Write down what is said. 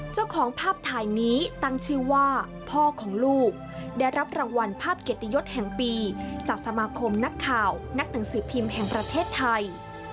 เจ้าของภาพถ่ายนี้ตั้งชื่อว่าพ่อของลูกได้รับรางวัลภาพเกียรติยศแห่งปีจากสมาคมนักข่าวนักหนังสือพิมพ์แห่งประเทศไทย